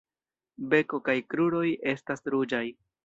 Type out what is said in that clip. Beko kaj kruroj estas ruĝaj.